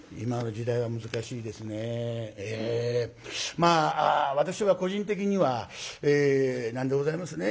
まあ私は個人的にはえ何でございますね